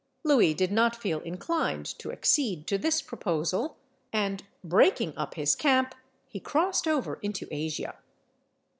Louis did not feel inclined to accede to this proposal, and, breaking up his camp, he crossed over into Asia.